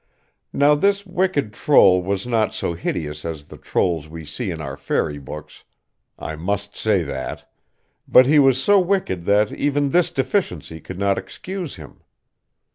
Now this wicked troll was not so hideous as the trolls we see in our fairy books I must say that but he was so wicked that even this deficiency could not excuse him.